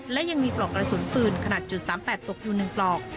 และยังมีปลอกกระสุนปืนขนาดจุดสามแปดตกอยู่หนึ่งปลอก